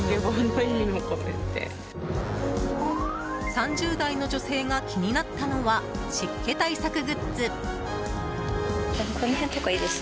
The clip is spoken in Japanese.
３０代の女性が気になったのは湿気対策グッズ。